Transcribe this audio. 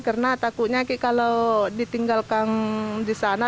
karena takutnya kalau ditinggalkan di sana